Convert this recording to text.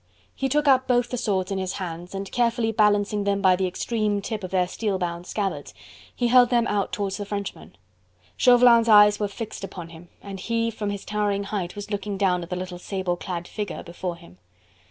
He took up both the swords in his hands and carefully balancing them by the extreme tip of their steel bound scabbards, he held them out towards the Frenchman. Chauvelin's eyes were fixed upon him, and he from his towering height was looking down at the little sable clad figure before him.